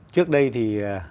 trước đây thì